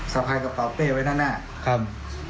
สะพายกระเป๋าเป้ไว้หน้า